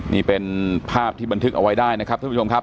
นี่เป็นภาพที่บันทึกเอาไว้ได้นะครับท่านผู้ชมครับ